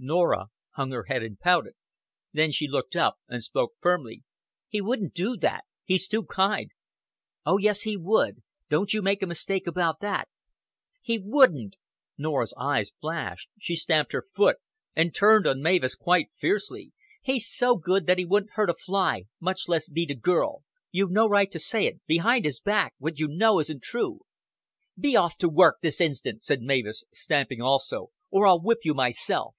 Norah hung her head and pouted. Then she looked up and spoke firmly. "He wouldn't do it. He's too kind." "Oh, yes, he would. Don't you make a mistake about that." "He wouldn't." Norah's eyes flashed; she stamped her foot, and turned on Mavis quite fiercely. "He's so good that he wouldn't hurt a fly, much less beat a girl. You've no right to say it behind his back what you know isn't true." "Be off to your work this instant," said Mavis, stamping also, "or I'll whip you myself."